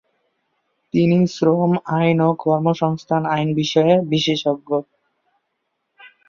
তিনি শ্রম আইন ও কর্মসংস্থান আইন বিষয়ে বিশেষজ্ঞ।